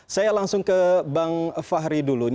saya langsung ke bang fahri dulu